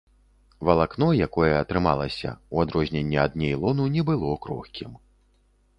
Валакно, якое атрымалася, у адрозненне ад нейлону, не было крохкім.